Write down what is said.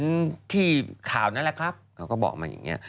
ที่ข่าวนั่นแหละครับเขาก็บอกมาอย่างนี้